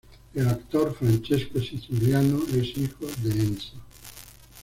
El actor Francesco Siciliano es hijo de Enzo.